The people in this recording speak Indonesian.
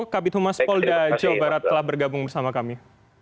kabinet humas pol da jawa barat telah bergabung bersama kami